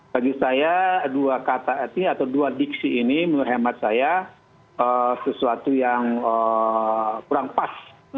bagi saya dua kata ini atau dua diksi ini menurut hemat saya sesuatu yang kurang pas